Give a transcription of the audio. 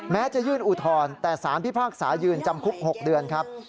จะยื่นอุทธรณ์แต่สารพิพากษายืนจำคุก๖เดือนครับ